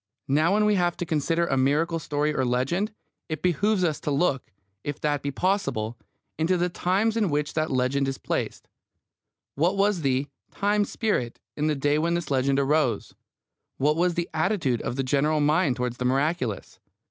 Now, when we have to consider a miracle story or a legend, it behoves us to look, if that be possible, into the times in which that legend is placed. What was the "time spirit" in the day when this legend arose? What was the attitude of the general mind towards the miraculous?